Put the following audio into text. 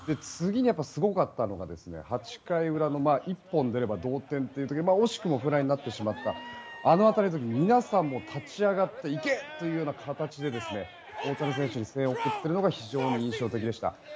次にすごかったのが８回裏の１本出れば同点となる時の惜しくもフライになってしまいましたがあの当たりで皆さんも立ち上がっていけ！というような形で大谷選手に声援を送っているのが非常に印象的でした。